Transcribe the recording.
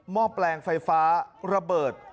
ห้อแปลงไฟฟ้าระเบิด